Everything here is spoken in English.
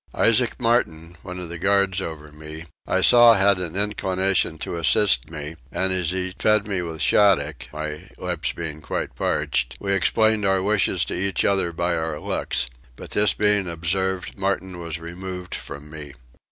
Isaac Martin, one of the guard over me, I saw had an inclination to assist me, and as he fed me with shaddock (my lips being quite parched) we explained our wishes to each other by our looks; but this being observed Martin was removed from me.